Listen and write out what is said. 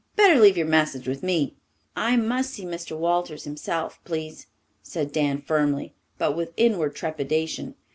Better leave your message with me." "I must see Mr. Walters himself, please," said Dan firmly, but with inward trepidation.